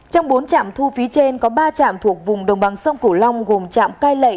trong bốn trạm thu phí trên có ba trạm thuộc vùng đồng bằng sông cửu long gồm trạm cai lệ